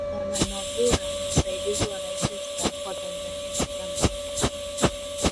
Bwana Mavura ni msaidizi wa rais Mstaafu wa Tanzania Jakaya Mrisho Kikwete